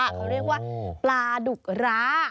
เขาเรียกว่าปลาดุกร้า